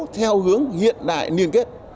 theo hướng hiện đại niên kết